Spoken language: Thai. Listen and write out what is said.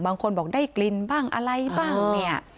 บางคนบอกได้กลิ่นบ้างอะไรบ้างเนี่ย